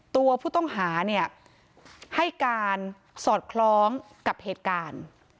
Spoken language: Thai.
ตัวผู้ต้องหาเนี่ยให้การสอดคล้องกับเหตุการณ์